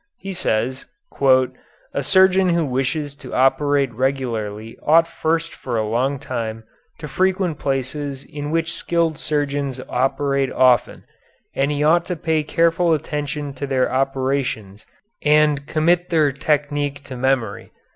He says: "A surgeon who wishes to operate regularly ought first for a long time to frequent places in which skilled surgeons operate often, and he ought to pay careful attention to their operations and commit their technique to memory.